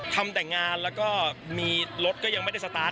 ทำแต่งานแล้วก็มีรถก็ยังไม่ได้เสียงละครับ